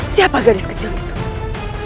siapa gadis kecil itu